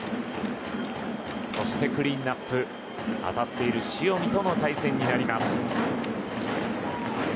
そして、クリーンアップ当たっている塩見との対戦になります。